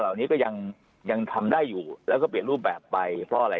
เหล่านี้ก็ยังยังทำได้อยู่แล้วก็เปลี่ยนรูปแบบไปเพราะอะไร